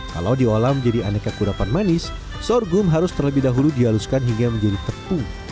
kalau diolah menjadi aneka kudapan manis sorghum harus terlebih dahulu dihaluskan hingga menjadi tepung